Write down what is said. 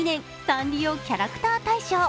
サンリオキャラクター大賞。